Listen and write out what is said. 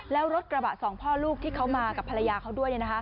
แล้วรถกระบะสองพ่อลูกที่เขามากับภรรยาเขาด้วย